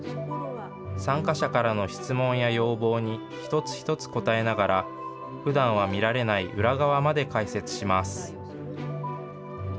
参加者からの質問や要望に、一つ一つこたえながら、ふだんは見られない裏側まで解説します。